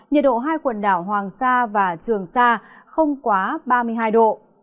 nhiệt độ hai quần đảo hoàng sa và trường sa không quá ba mươi hai độ